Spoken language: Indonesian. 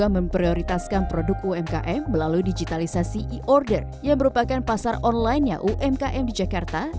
memprioritaskan produk umkm melalui digitalisasi e order yang merupakan pasar onlinenya umkm di jakarta